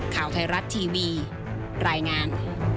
ข่าวไทยรัฐทีวีรายงาน